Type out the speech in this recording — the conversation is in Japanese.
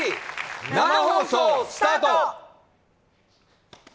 生放送、スタート！